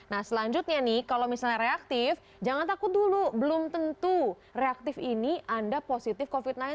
nah selanjutnya nih kalau misalnya reaktif jangan takut dulu belum tentu reaktif ini anda positif covid sembilan belas